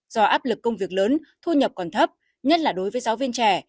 do áp lực công việc lớn thu nhập còn thấp nhất là đối với giáo viên trẻ